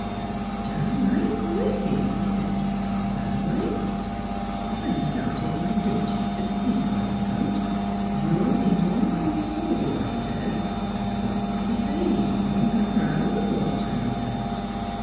* That's downright wicked,' I says, ' t' talk that a way.' I kind o' felt it my dooty t' speak right out. ' Your immortal soul,' I says, ' has got t' be saved, no matter how th' war turns out.'